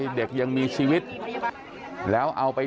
เพื่อนบ้านเจ้าหน้าที่อำรวจกู้ภัย